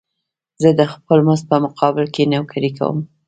زه د خپل مزد په مقابل کې نوکري کوم